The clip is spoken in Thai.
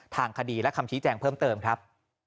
ทางคดีและคำชี้แจงเพิ่มเติมครับ